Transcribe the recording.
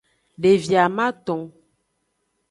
Devi amaton.